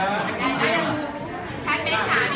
ขอบคุณแม่ก่อนต้องกลางนะครับ